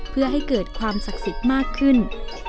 เพื่อให้เกิดความศักดิ์สิทธิ์มากขึ้น